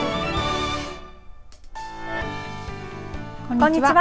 こんにちは。